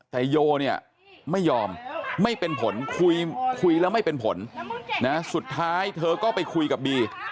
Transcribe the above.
แต่โยเนี่ยไม่ยอมไม่เป็นผลคุยแล้วไม่เป็นผลนะสุดท้ายเธอก็ไปคุยกับบี